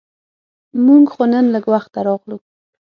مونږ خو نن لږ وخته راغلو.